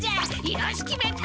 よし決めた！